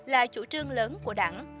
là chủ trương lớn của đảng